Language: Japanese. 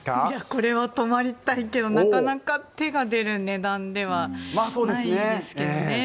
これは泊まりたいけどなかなか手が出る値段ではないですけどね。